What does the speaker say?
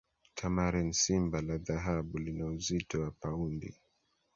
Tamarin simba la dhahabu lina uzito wa paundi